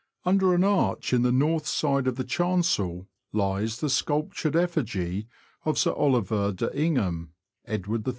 Under an arch in the north side of the chancel lies the sculptured effigy of Sir Oliver de Ingham (Edward III.'